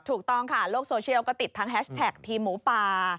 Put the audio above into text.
ถูกต้องค่ะโลกโซเชียลก็ติดทั้งแฮชแท็กทีมหมูป่า